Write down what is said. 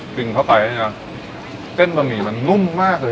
อ่ะอื้มไปไหนแล้วเส้นปะหมี่มันนุ่มมากเลยอ่ะ